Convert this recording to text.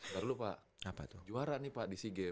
taruh lu pak juara nih pak di seagame